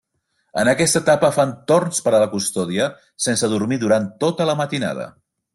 En aquesta etapa fan torns per a la custòdia sense dormir durant tota la matinada.